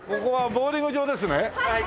ボウリング場です。